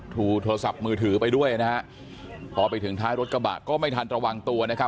โทรศัพท์มือถือไปด้วยนะฮะพอไปถึงท้ายรถกระบะก็ไม่ทันระวังตัวนะครับ